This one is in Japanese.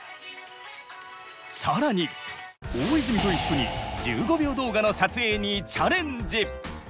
更に大泉と一緒に１５秒動画の撮影にチャレンジ。